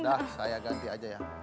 udah saya ganti aja ya